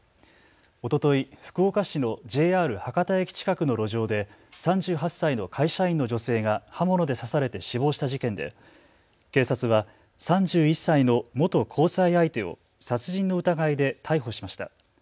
おととい福岡市のＪＲ博多駅近くの路上で３８歳の会社員の女性が刃物で刺されて死亡した事件で警察は３１歳の元交際相手を殺人の疑いで逮捕しました。